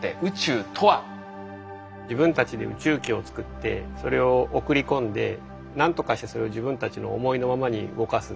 自分たちで宇宙機を作ってそれを送り込んでなんとかしてそれを自分たちの思いのままに動かす。